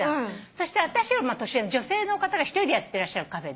そしたら私より年上の女性の方が１人でやってらっしゃるカフェで。